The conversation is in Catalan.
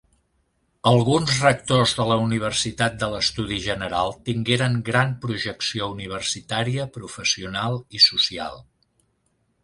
Alguns rectors de la Universitat de l'Estudi General tingueren gran projecció universitària, professional i social.